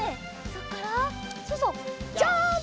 そこからそうそうジャンプ！